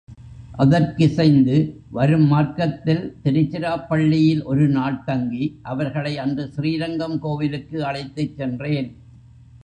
அதற்கிசைந்து, வரும் மார்க்கத்தில் திருச்சிராப்பள்ளியில் ஒரு நாள் தங்கி, அவர்களை அன்று ஸ்ரீரங்கம் கோவிலுக்கு அழைத்துச் சென்றேன்.